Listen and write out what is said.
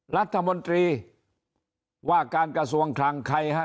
รัฐมนตรีว่าการกระทรวงคลังใครฮะ